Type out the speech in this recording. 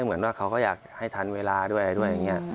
เหมือนว่าเขาก็อยากให้ทันเวลาด้วยอย่างนี้